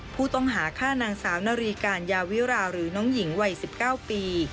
ผู้ต้องหาฆ่านางสาวนารีการยาวิราหรือน้องหญิงวัย๑๙ปี